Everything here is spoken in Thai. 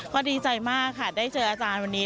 ก็ดีใจมากค่ะได้เจออาจารย์วันนี้